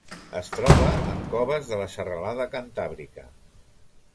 Es troba en coves de la serralada Cantàbrica.